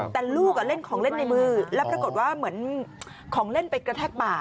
แต่ลูกเล่นของเล่นในมือแล้วปรากฏว่าเหมือนของเล่นไปกระแทกบ่า